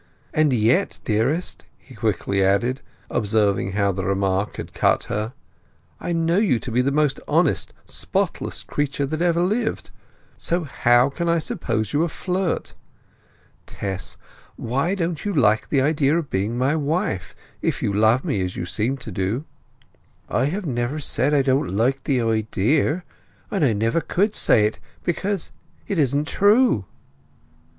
And yet, dearest," he quickly added, observing how the remark had cut her, "I know you to be the most honest, spotless creature that ever lived. So how can I suppose you a flirt? Tess, why don't you like the idea of being my wife, if you love me as you seem to do?" "I have never said I don't like the idea, and I never could say it; because—it isn't true!"